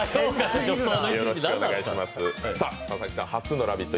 佐々木さん、初の「ラヴィット！」